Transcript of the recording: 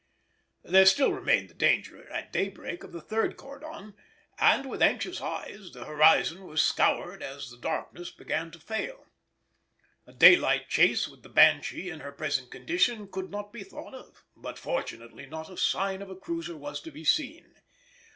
There still remained the danger at daybreak of the third cordon, and with anxious eyes the horizon was scoured as the darkness began to fail. A daylight chase with the Banshee in her present condition could not be thought of, but fortunately not a sign of a cruiser was to be seen.